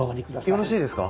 よろしいですか？